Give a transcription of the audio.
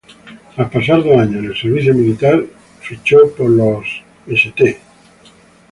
Tras pasar dos años en el servicio militar, en fichó por los St.